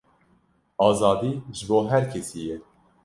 Azadî ji bo her kesî ye.